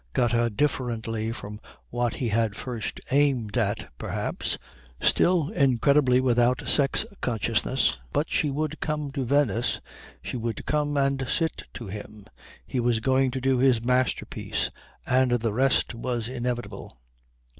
Got her differently from what he had first aimed at perhaps, still incredibly without sex consciousness, but she would come to Venice, she would come and sit to him, he was going to do his masterpiece, and the rest was inevitable.